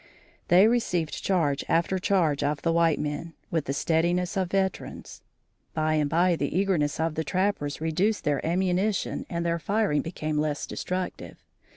They received charge after charge of the white men, with the steadiness of veterans. By and by the eagerness of the trappers reduced their ammunition and their firing became less destructive.